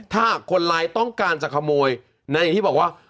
ถ้าหากคนร้ายต้องการจะขโมยนะอย่างที่บอกว่า